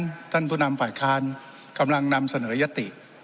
มันท่านผู้นำฝ่ายคลานกำลังนำเสนอยศีลที